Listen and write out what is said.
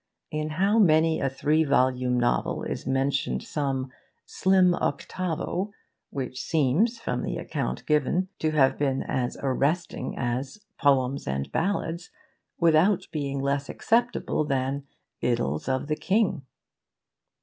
In how many a three volume novel is mentioned some 'slim octavo' which seems, from the account given, to have been as arresting as 'Poems and Ballads' without being less acceptable than 'Idylls of the King'!